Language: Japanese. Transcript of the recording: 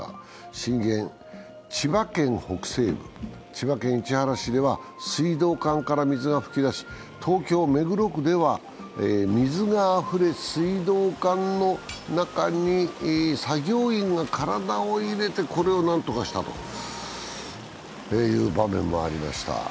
震源は千葉県北西部、千葉県市原市では水道管から水が噴き出し、東京・目黒区では、水があふれ水道管の中に作業員が体を入れて、これを何とかしたという場面もありました。